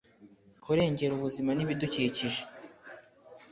kurengera ubuzima n’ibidukikije